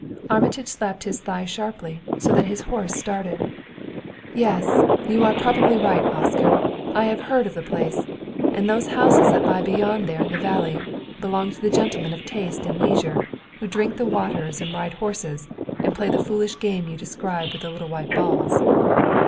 Armitage slapped his thigh sharply, so that his horse started. "Yes; you are probably right, Oscar, I have heard of the place. And those houses that lie beyond there in the valley belong to gentlemen of taste and leisure who drink the waters and ride horses and play the foolish game you describe with little white balls."